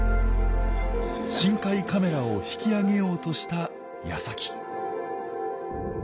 深海カメラを引き上げようとしたやさき。